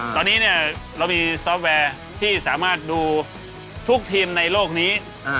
ตอนนี้เนี่ยเรามีซอฟต์แวร์ที่สามารถดูทุกทีมในโลกนี้